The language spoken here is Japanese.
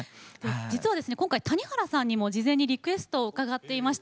実はですね、今回谷原さんにも事前にリクエストを伺っていました。